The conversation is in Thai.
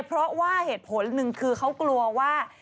เพราะว่าเหตุผลหนึ่งคือเขากลัวว่า